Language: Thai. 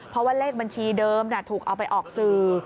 เพราะว่าเลขบัญชีเดิมถูกเอาไปออกสื่อ